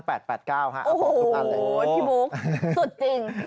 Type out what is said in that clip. โอ้โหพี่บุ๊คสุดจริง